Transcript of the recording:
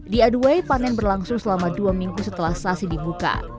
di aduway panen berlangsung selama dua minggu setelah sasi dibuka